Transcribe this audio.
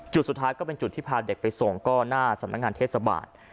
สุดท้ายก็เป็นจุดที่พาเด็กไปส่งก็หน้าสำนักงานเทศบาล